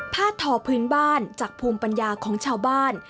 ทอพื้นบ้านจากภูมิปัญญาของชาวบ้าน